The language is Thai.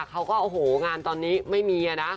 เขาก็โอ้โหงานตอนนี้ไม่มีนะ